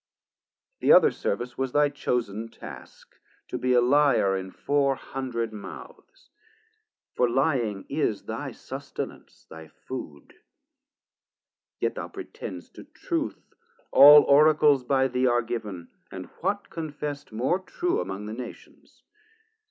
The other service was thy chosen task, To be a lyer in four hundred mouths; For lying is thy sustenance, thy food. Yet thou pretend'st to truth; all Oracles 430 By thee are giv'n, and what confest more true Among the Nations?